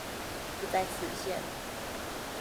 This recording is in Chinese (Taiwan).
不在此限